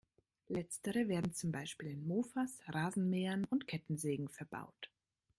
Letztere werden zum Beispiel in Mofas, Rasenmähern und Kettensägen verbaut.